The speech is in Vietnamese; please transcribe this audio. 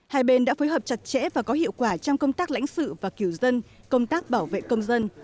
hai bên đã phối hợp chặt chẽ và có hiệu quả trong công tác lãnh sự và cửu dân công tác bảo vệ công dân